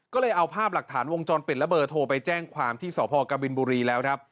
ก็เลยเอาภาพหลักฐานวงจรปิดและเบอร์โทรไปแจ้งความที่สพกบินบุรีแล้วครับ